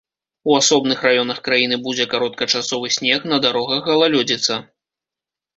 У асобных раёнах краіны будзе кароткачасовы снег, на дарогах галалёдзіца.